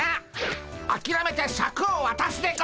あきらめてシャクをわたすでゴ。